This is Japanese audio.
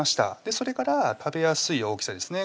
それから食べやすい大きさですね